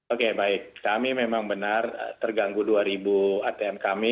oke baik kami memang benar terganggu dua ribu atm kami